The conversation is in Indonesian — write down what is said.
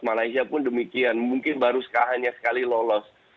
malaysia pun demikian mungkin baru sekalian sekali lolos